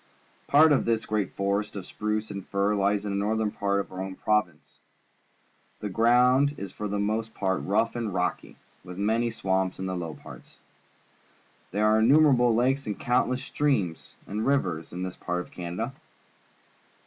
Part of tliis great forest of spruce and fir lies in the northern part of our own province. The ground is for the most part rough and rocky, with many swamps in the low parts. There are in numerable lakes and countless streams and rivers in this part of Canada.